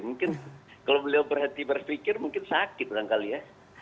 mungkin kalau beliau berhenti berfikir mungkin sakit kurang kali ya